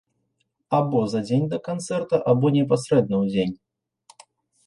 Або за дзень да канцэрта, або непасрэдна ў дзень.